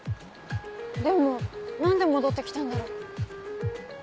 でも何で戻って来たんだろう？